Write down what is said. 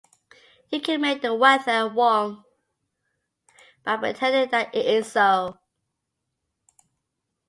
You can make the weather warm by pretending that it is so.